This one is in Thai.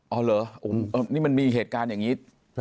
อ๋อเหรอนี่มันมีเหตุการณ์อย่างนี้